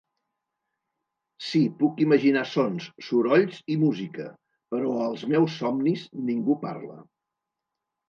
Sí puc imaginar sons, sorolls i música, però als meus somnis ningú parla.